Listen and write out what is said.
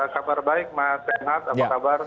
kabar baik mas renat apa kabar